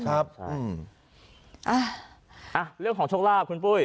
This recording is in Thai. อ้าเรื่องของชกลาบคุณปุ้ย